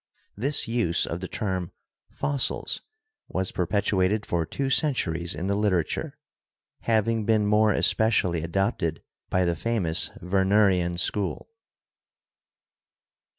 This use of the term "Fossils" was perpetuated for two centuries in the literature, hav ing been more especially adopted by the famous Wer nerian school.